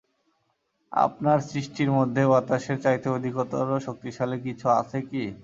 আপনার সৃষ্টির মধ্যে বাতাসের চাইতে অধিকতর শক্তিশালী কিছু আছে কি?